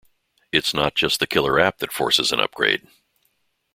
It's just not the killer app that forces an upgrade.